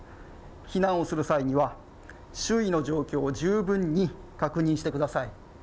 避難をする際には、周囲の状況を十分に確認してください。